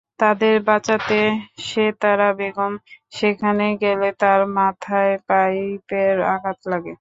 তাঁদের বাঁচাতে সেতারা বেগম সেখানে গেলে তাঁর মাথায় পাইপের আঘাত লাগে।